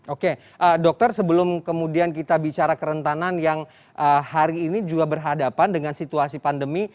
oke dokter sebelum kemudian kita bicara kerentanan yang hari ini juga berhadapan dengan situasi pandemi